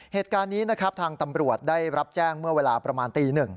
เหตุการณ์นี้นะครับทางตำรวจได้รับแจ้งเมื่อเวลาประมาณตี๑